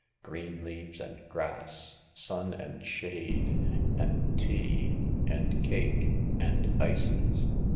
Green leaves and grass— sun and shade. And tea. And cake. And ices."